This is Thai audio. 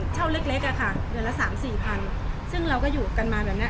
เช่าเล็กอะค่ะเดือนละสามสี่พันซึ่งเราก็อยู่กันมาแบบเนี้ย